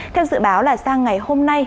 theo dự báo là sang ngày hôm nay